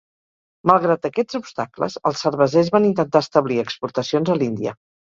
Malgrat aquests obstacles, els cervesers van intentar establir exportacions a l'Índia.